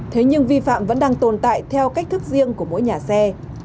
thế nhưng vi phạm vẫn đang tồn tại theo cách thức riêng của mỗi nhà xe